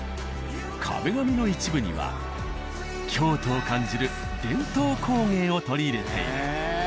壁紙の一部には京都を感じる伝統工芸を取り入れている。